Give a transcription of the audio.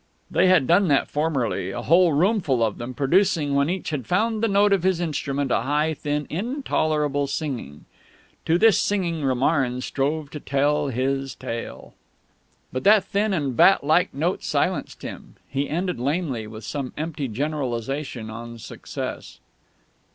They had done that formerly, a whole roomful of them, producing, when each had found the note of his instrument, a high, thin, intolerable singing. To this singing Romarin strove to tell his tale. But that thin and bat like note silenced him. He ended lamely, with some empty generalisation on success.